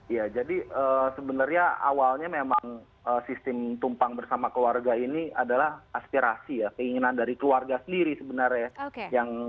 ya jadi sebenarnya awalnya memang sistem tumpang bersama keluarga ini adalah aspirasi ya keinginan dari keluarga sendiri sebenarnya